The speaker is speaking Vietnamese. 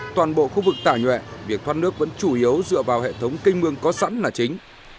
toàn bộ khu vực tả nhuệ việc thoát nước vẫn chủ yếu dựa vào hệ thống canh mương có sẵn là chính